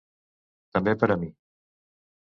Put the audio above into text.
També per a mi.